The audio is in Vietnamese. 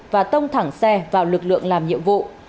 và tông thẳng xe vào lực lượng làm nhiệm vụ